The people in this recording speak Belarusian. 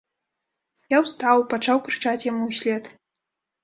Я устаў, пачаў крычаць яму ўслед.